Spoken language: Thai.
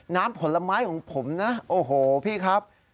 ผลไม้ของผมนะโอ้โหพี่ครับ